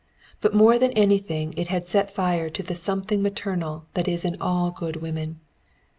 But more than anything it had set fire to the something maternal that is in all good women.